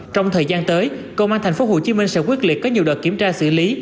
trong thời gian tới công an tp hcm sẽ quyết liệt có nhiều đợt kiểm tra xử lý